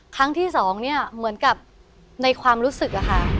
ครั้งที่สองเนี่ยเหมือนกับในความรู้สึกอะค่ะ